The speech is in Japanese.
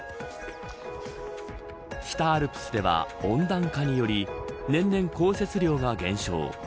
北アルプスでは温暖化により年々降雪量が減少。